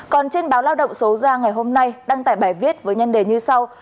còn trên báo lao động số ra ngày hôm nay đăng tải bài viết với nhân đề như sau